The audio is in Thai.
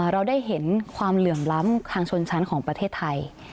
เราได้เห็นความเหลื่อมล้ำทางชนชั้นของประเทศไทย